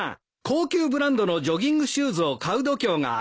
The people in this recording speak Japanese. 高級ブランドのジョギングシューズを買う度胸がありますか？